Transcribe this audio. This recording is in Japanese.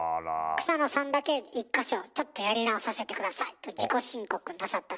草野さんだけ１か所「ちょっとやり直させて下さい」と自己申告なさったそうです。